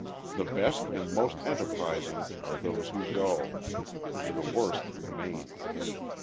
The best and most enterprising are those who go: the worst remain.